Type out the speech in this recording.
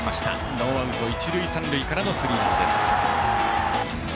ノーアウト、一塁三塁からのスリーランです。